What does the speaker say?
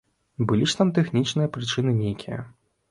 Былі ж там тэхнічныя прычыны нейкія.